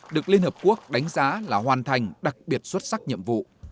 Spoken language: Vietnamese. được liên hợp quốc đánh giá là hoàn thành đặc biệt xuất sắc nhiệm vụ